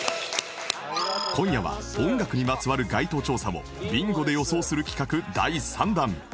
今夜は音楽にまつわる街頭調査をビンゴで予想する企画第３弾